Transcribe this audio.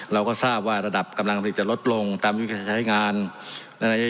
เราก็ทราบว่าระดับกำลังผลิตจะลดลงตามยุทธการใช้งานในระยะ